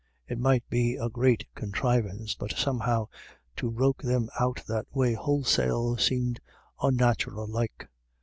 It might be a great conthrivance, but somehow to roke them out that way wholesale seemed onnatural like.